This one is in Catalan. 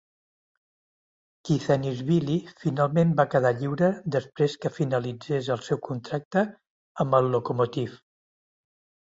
Khizanishvili finalment va quedar lliure després que finalitzés el seu contracte amb el Lokomotiv.